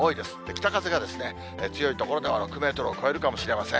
北風が強い所では６メートルを超えるかもしれません。